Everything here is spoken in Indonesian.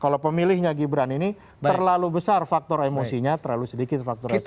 kalau pemilihnya gibran ini terlalu besar faktor emosinya terlalu sedikit faktor eksterna